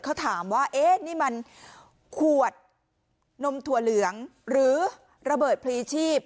เขาถามว่าเอ๊ะนี่มันขวดนมถั่วเหลืองหรือระเบิดพลีชีพ